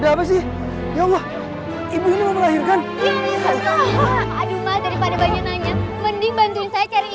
berapa sih ya allah ibu melahirkan aduh malah daripada banyak nanya mending bantuin saya cari